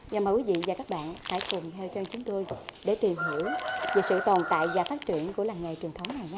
và mời quý vị và các bạn hãy cùng theo chân chúng tôi để tìm hiểu về sự tồn tại và phát triển của làng nghề truyền thống này nhé